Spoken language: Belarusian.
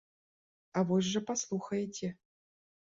А вось жа паслухаеце.